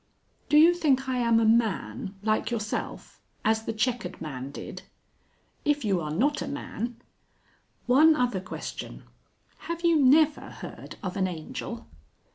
"Do you think I am a Man like yourself? As the chequered man did." "If you are not a man " "One other question. Have you never heard of an Angel?"